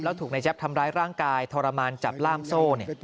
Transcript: แล้วถูกนายแจ๊บทำร้ายร่างกายทรมานจับล่ามโซ่